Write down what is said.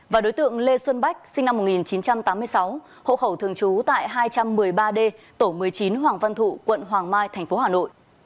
và đối tượng lê xuân bách sinh năm một nghìn chín trăm tám mươi sáu hộ khẩu thường trú tại hai trăm một mươi ba d tổ một mươi chín hoàng văn thụ quận hoàng mai tp hà nội